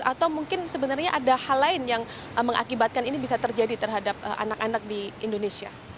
atau mungkin sebenarnya ada hal lain yang mengakibatkan ini bisa terjadi terhadap anak anak di indonesia